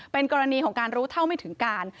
เป็นกรณีของการรู้เท่าไม่ถึงการ